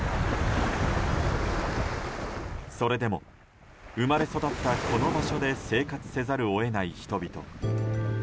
それでも生まれ育ったこの場所で生活せざるを得ない人々。